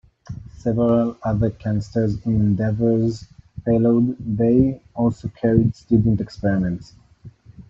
Several other canisters in Endeavour's payload bay also carried student experiments.